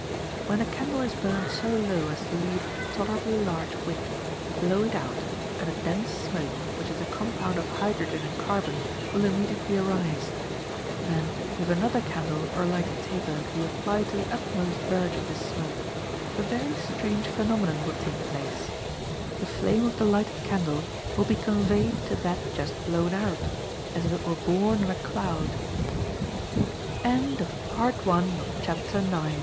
—When a candle is burnt so low as to leave a tolerably large wick, blow it out, and a dense smoke, which is a compound of hydrogen and carbon, will immediately arise; then if another candle or lighted taper be applied to the utmost verge of this smoke, a very strange phenomenon will take place: the flame of the lighted candle will be conveyed to that just blown out, as if it were borne on a cloud. To Freeze Water by Shaking It.